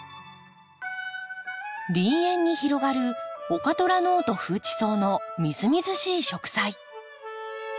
林縁に広がるオカトラノオとフウチソウのみずみずしい植栽。